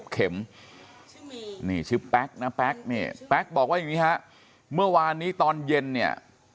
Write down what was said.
เข็มนี่ชื่อแป๊กนะแป๊กเนี่ยแป๊กบอกว่าอย่างนี้ฮะเมื่อวานนี้ตอนเย็นเนี่ย